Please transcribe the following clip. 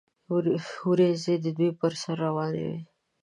وریځې د دوی پر سر روانې وې.